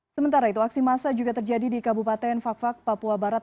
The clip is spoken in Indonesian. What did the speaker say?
sementara itu aksi massa juga terjadi di kabupaten fak fak papua barat